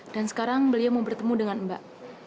dan sekarang beliau mau bertemu dengan mbak